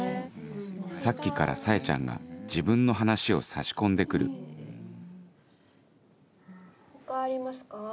さっきからサエちゃんが自分の話を差し込んで来る他ありますか？